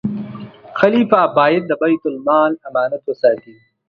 خلیفه باید د بیت المال امانت وساتي.